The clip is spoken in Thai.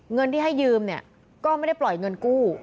เงินที่ให้ยืมเนี่ยก็ไม่ได้ปล่อยเงินกู้